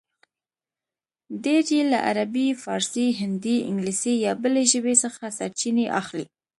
ډېر یې له عربي، فارسي، هندي، انګلیسي یا بلې ژبې څخه سرچینې اخلي